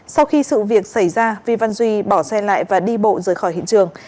sau khi sự việc xảy ra vi văn duy bỏ xe lại và đi bộ rời khỏi hiện trường